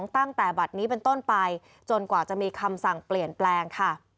ตั้งแต่บัตรนี้เป็นต้นไปจนกว่าจะมีคำสั่งเปลี่ยนแปลงค่ะ